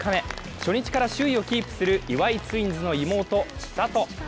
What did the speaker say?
初日から首位をキープする岩井ツインズの妹、千怜。